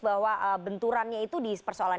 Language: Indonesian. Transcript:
bahwa benturannya itu di persoalan